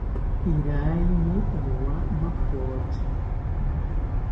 Iraiyini owa mapocha